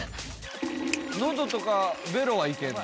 ノドとかベロはいけんの？